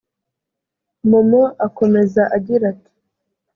Momo akomeza agira ati